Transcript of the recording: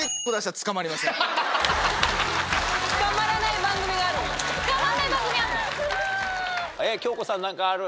捕まらない番組がある？